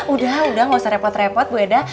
udah udah gak usah repot repot bu eda